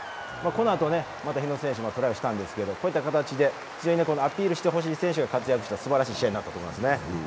このあと、また日野選手もトライしたんですけど、こういった形でアピールしてほしい選手が活躍した、すばらしい試合になったと思いますね。